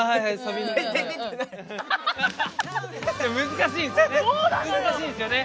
難しいですよね！